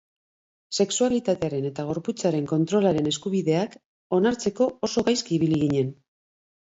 Sexualitatearen eta gorputzaren kontrolaren eskubideak onartzeko oso gaizki ibili ginen.